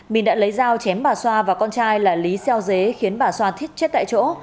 mìn đã lấy dao chém bà xoa và con trai là lý xeo dế khiến bà xoa thiết chết tại chỗ